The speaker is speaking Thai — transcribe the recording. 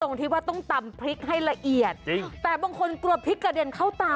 ตรงที่ว่าต้องตำพริกให้ละเอียดจริงแต่บางคนกลัวพริกกระเด็นเข้าตา